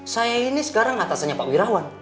saya ini sekarang atasannya pak wirawan